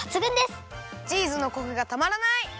チーズのコクがたまらない！